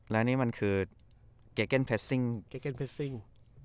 แล้วนี่มันคือเกรกเก้นเพรสซิ่ง